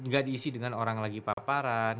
gak diisi dengan orang lagi paparan